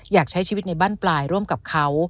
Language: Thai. อยากใช้ชีวิตในบ้านปลายร่วมกับเขา